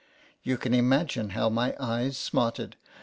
You can imagine how my eyes smarted.